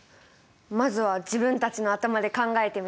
まずは自分たちの頭で考えてみる。